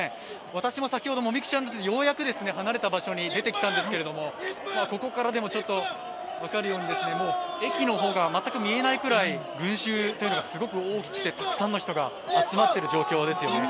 私も先ほど、もみくちゃになって、ようやく離れた場所に出てきたんですが、ここからでも分かるように駅の方が全く見えないぐらい群衆というのがすごく大きくてたくさんの人が集まっている状況ですよね。